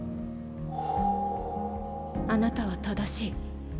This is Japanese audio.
あなたは正しい。